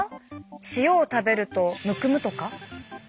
塩を食べるとむくむとか？